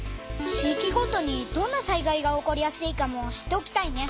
地いきごとにどんな災害が起こりやすいかも知っておきたいね。